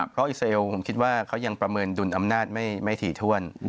เพราะอิสราเอลผมคิดว่าเขายังประเมินดุลอำนาจไม่ถี่ถ้วน